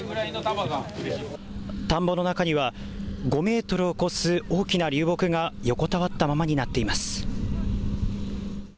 田んぼの中には５メートルを超す大きな流木が横たわったままになっています。